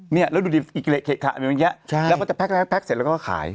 เนี่ยแล้วดูดิอีกเหละเครื่องขาดมีบางแยะแล้วมันจะแพ็กแล้วแพ็กเสร็จแล้วก็ขาย